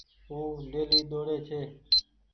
او ڊيلي ۮوڙي ڇي۔